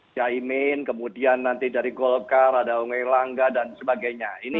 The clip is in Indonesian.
ia imin kemudian nanti dari golkar ada ongelangga dan sebagainya